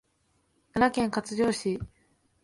奈良県葛城市